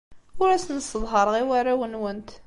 Ur asen-sseḍhareɣ i warraw-nwent.